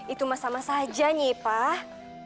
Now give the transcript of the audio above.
itu mas sama saja nyipah